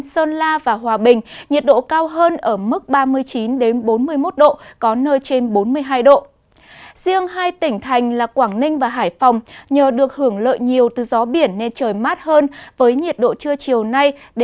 xin chào và hẹn gặp lại